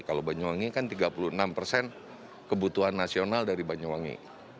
kalau banyuwangi kan tiga puluh enam persen kebutuhan nasional dari banyuwangi